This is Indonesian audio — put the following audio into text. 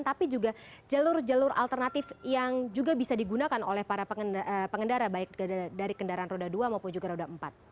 tapi juga jalur jalur alternatif yang juga bisa digunakan oleh para pengendara baik dari kendaraan roda dua maupun juga roda empat